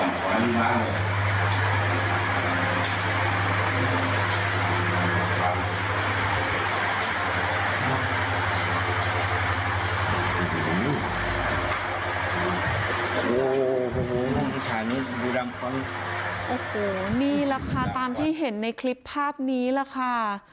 โอ้โหนี่แหละค่ะตามที่เห็นในคลิปภาพนี้แหละค่ะ